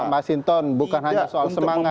pak mas hinton bukan hanya soal semangat